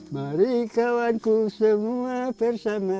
mari kawan ku semua bersama